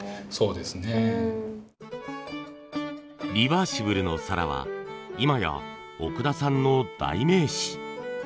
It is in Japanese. リバーシブルの皿は今や奥田さんの代名詞。